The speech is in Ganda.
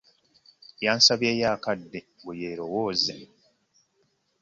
Yansabyeyo akadde mbu yeerowooze.